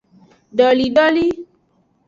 Dolidoli.